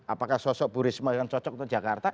apakah sosok bu risma yang cocok untuk jakarta